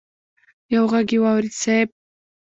يو ږغ يې واورېد: صېب!